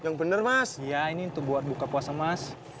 ini kan barusan tempat hidup keauraisan kamu